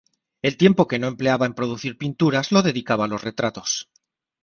El tiempo que no empleaba en producir pinturas lo dedicaba a los retratos.